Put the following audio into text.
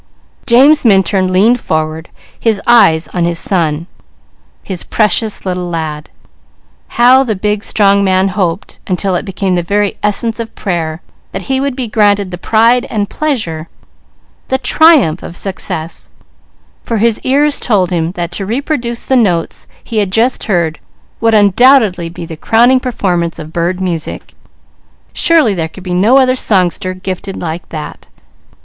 James Minturn leaned forward, his eyes on his son, his precious little lad. How the big strong man hoped, until it became the very essence of prayer, that he would be granted the pride and pleasure, the triumph, of success; for his ears told him that to reproduce the notes he had just heard would undoubtedly be the crowning performance of bird music; surely there could be no other songster gifted like that!